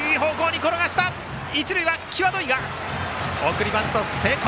送りバント成功。